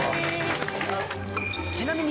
ちなみに